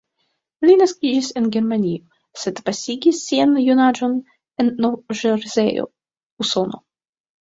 Li naskiĝis en Germanio, sed pasigis sian junaĝon en Nov-Ĵerzejo, Usono.